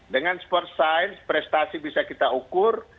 dengan sport science prestasi bisa kita ukur